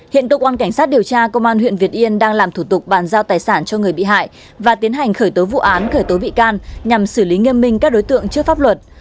hiện công an huyện việt yên đang làm thủ tục bàn giao tài sản cho người bị hại và tiến hành khởi tố vụ án khởi tố bị can nhằm xử lý nghiêm minh các đối tượng chưa pháp luật